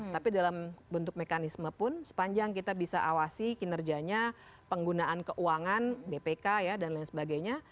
tapi dalam bentuk mekanisme pun sepanjang kita bisa awasi kinerjanya penggunaan keuangan bpk dan lain sebagainya